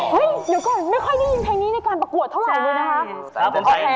เดี๋ยวก่อนไม่ค่อยได้ยินเพลงนี้ในการประกวดเท่าไหร่เลยนะคะ